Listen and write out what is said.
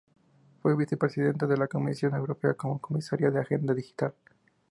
Fue vicepresidenta de la Comisión Europea como comisaria de Agenda Digital.